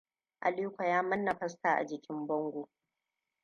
Aliko ya manna fasta a jikin bango.